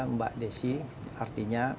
mbak desi artinya